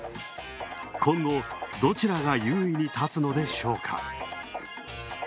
今後、どちらが優位に立つのでしょうか。